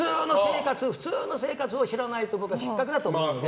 普通の生活を知らないと僕は失格だと思っているので。